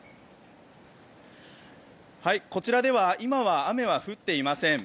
こちらでは今は雨は降っていません。